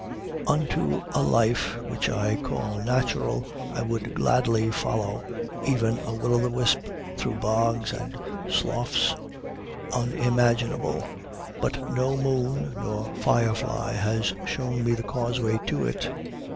Unto a life which I call natural I would gladly follow even a will o' the wisp through bogs and sloughs unimaginable, but no moon nor firefly has shown me the causeway to it.